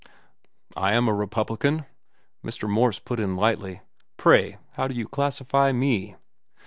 "I am a Republican," Mr. Morse put in lightly. "Pray, how do you classify me?"